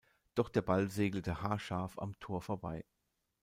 Doch der Ball segelte haarscharf am Tor vorbei.